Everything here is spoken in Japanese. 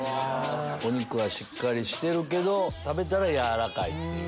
お肉はしっかりしてるけど食べたら軟らかいっていう。